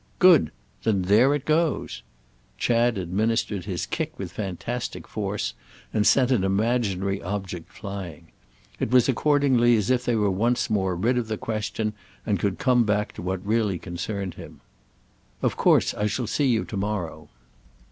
"Good. Then there it goes!" Chad administered his kick with fantastic force and sent an imaginary object flying. It was accordingly as if they were once more rid of the question and could come back to what really concerned him. "Of course I shall see you tomorrow."